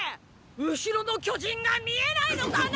後ろの巨人が見えないのかな